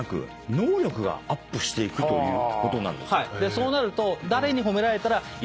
そうなると。